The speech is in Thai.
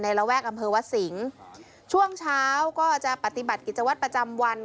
ระแวกอำเภอวัดสิงศ์ช่วงเช้าก็จะปฏิบัติกิจวัตรประจำวัน